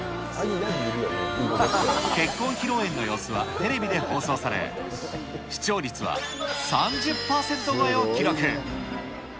結婚披露宴の様子はテレビで放送され、視聴率は３０％超えを記録。